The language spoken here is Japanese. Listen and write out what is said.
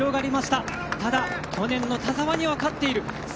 ただ、去年の田澤には勝っている。